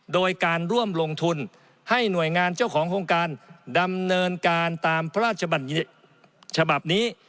โดยการร่วมลงทุนให้หน่วยงานเจ้าของโครงการดำเนินการตามพระราชบัญฉบับนี้